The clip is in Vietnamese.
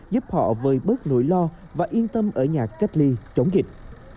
giúp họ vơi bớt nỗi lo và yên tâm ở nhà cách ly chống dịch